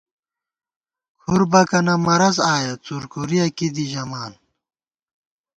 کھُر بَکَنہ مرَض آیَہ ، څُورکھُرِیَہ کی دی ژِمان